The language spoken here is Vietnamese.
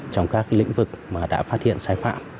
trong các lĩnh vực mà đã phát hiện sai phạm